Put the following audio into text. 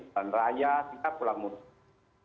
jalan raya kita pulang mudik